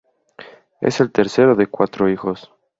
Él es el tercero de cuatro hijos.